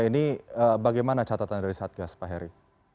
ini bagaimana catatan dari satgas pak heri